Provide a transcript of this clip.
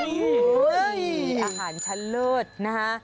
อุ๊ยอาหารชันเลิศนะ